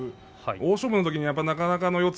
大勝負のときに、なかなか四つ